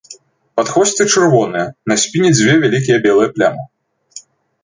Падхвосце чырвонае, на спіне дзве вялікія белыя плямы.